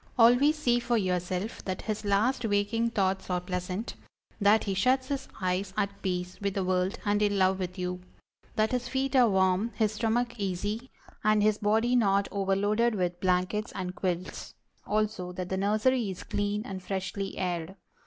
Always see for yourself that his last waking thoughts are pleasant; that he shuts his eyes at peace with the world and in love with you; that his feet are warm, his stomach easy, and his body not overloaded with blankets and quilts; also, that the nursery is clean and freshly aired.